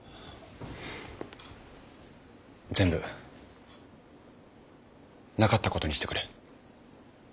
全部なかったことにしてくれ。